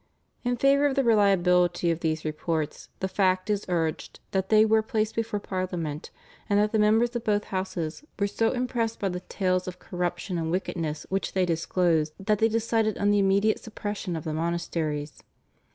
In favour of the reliability of these reports the fact is urged that they were placed before Parliament, and that the members of both Houses were so impressed by the tale of corruption and wickedness which they disclosed that they decided on the immediate suppression of the monasteries.